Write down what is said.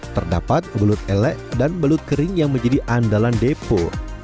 terdapat belut elek dan belut kering yang menjadi andalan depo